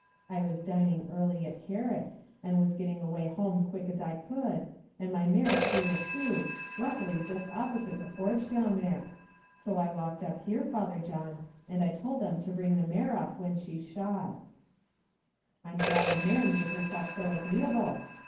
I was dining early at Carrick, and was getting away home as quick as I could, and my mare threw a shoe, luckily just opposite the forge down there; so I walked up here, Father John, and I told them to bring the mare up when she's shod." "I'm glad the mare made herself so agreeable.